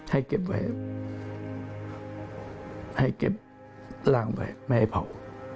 ให้เก็บไว้ให้เก็บร่างไว้ไม่ให้เผา